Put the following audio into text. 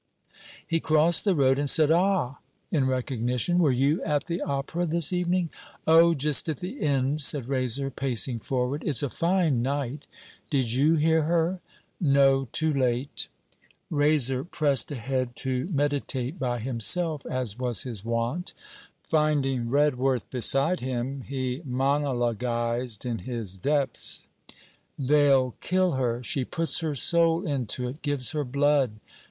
He crossed the road and said, 'Ah?' in recognition. 'Were you at the Opera this evening?' 'Oh, just at the end,' said Raiser, pacing forward. 'It's a fine night. Did you hear her?' 'No; too late.' Raiser pressed ahead, to meditate by himself, as was his wont. Finding Redworth beside him, he monologuized in his depths: 'They'll kill her. She puts her soul into it, gives her blood.